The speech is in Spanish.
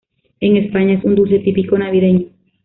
En España es un dulce típico navideño.